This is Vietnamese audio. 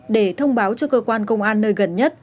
để thông báo cho cơ quan công an nơi gần nhất